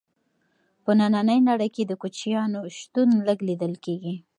په ننۍ نړۍ کې د کوچیانو شتون لږ لیدل کیږي.